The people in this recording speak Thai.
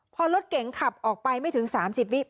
พอรถเก๋งขับออกไปไม่ถึง๓๐วิ